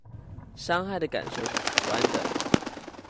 傷害的感受是主觀的